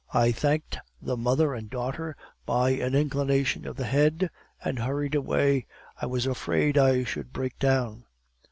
I thanked the mother and daughter by an inclination of the head, and hurried away; I was afraid I should break down.